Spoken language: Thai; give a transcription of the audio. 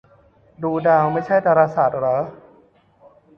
ดูดาวไม่ใช่ดาราศาสตร์เหรอ